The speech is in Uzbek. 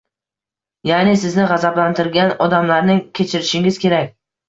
Ya'ni sizni g‘azablantirgan odamlarni kechirishingiz kerak